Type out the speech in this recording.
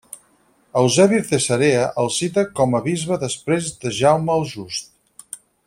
Eusebi de Cesarea el cita com a bisbe després de Jaume el Just.